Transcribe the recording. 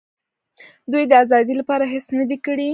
دوی د آزادۍ لپاره هېڅ نه دي کړي.